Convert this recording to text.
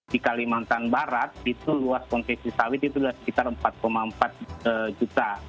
di kalimantan barat itu luas konsesi sawit itu sekitar empat empat juta